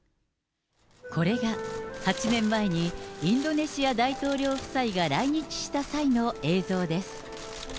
これが、８年前にインドネシア大統領夫妻が来日した際の映像です。